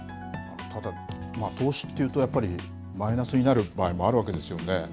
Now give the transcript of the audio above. ただ、投資っていうとやっぱり、マイナスになる場合もあるわけですよね。